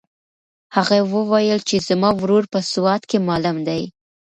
هغې وویل چې زما ورور په سوات کې معلم دی.